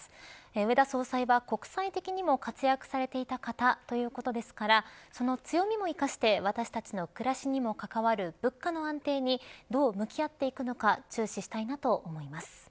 植田総裁は国際的にも活躍されていた方ということですからその強みも生かして私たちの暮らしにも関わる物価の安定にどう向き合っていくのか注視したいなと思います。